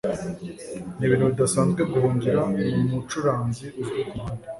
Nibintu bidasanzwe guhungira mumucuranzi uzwi kumuhanda.